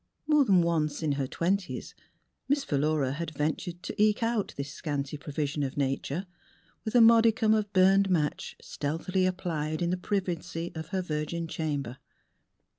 More than once in her twenties The Transfiguration of Miss Philura had ventured to eke out this scanty provision of Nature with a modicum of burned match stealthily ap plied in the privacy of her virgin chamber.